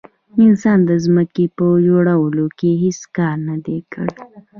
انسان د ځمکې په جوړولو کې هیڅ کار نه دی کړی.